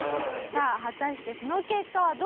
さあ果たしてその結果はどうなったのか？